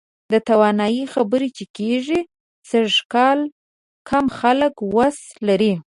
د توانایي خبره چې کېږي، سږکال کم خلک وس لري.